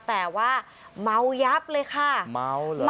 แต่ว่าเมายับเลยค่ะเมาเหรอ